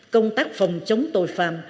công tác phòng chống tội phạm